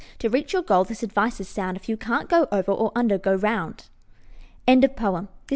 To reach your goal this advice is sound: If you can't go over or under, go round! _Joseph Morris.